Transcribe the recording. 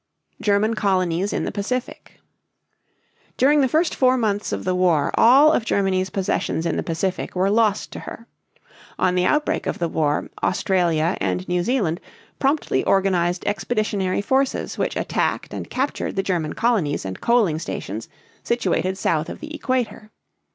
GERMAN COLONIES IN THE PACIFIC. During the first four months of the war all of Germany's possessions in the Pacific were lost to her. On the outbreak of the war, Australia and New Zealand promptly organized expeditionary forces which attacked and captured the German colonies and coaling stations situated south of the Equator.